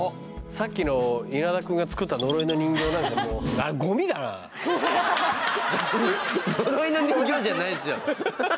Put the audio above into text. さっきの稲田君が作った呪いの人形なんかもう呪いの人形じゃないですよ